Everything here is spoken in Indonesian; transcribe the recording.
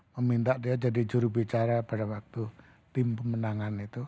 meminta dia jadi jurubicara pada waktu tim pemenangan itu